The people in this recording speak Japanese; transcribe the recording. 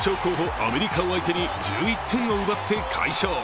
アメリカを相手に１１点を奪って快勝。